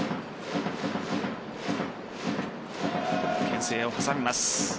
けん制を挟みます。